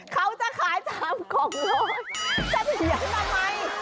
เขาจะขาย๓กล่องร้อยจะเถียงทำไม